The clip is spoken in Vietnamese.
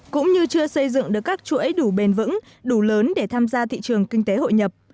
cũng như chưa xây dựng được các chuỗi đủ bền vững đủ lớn để tham gia thị trường kinh tế hội nhập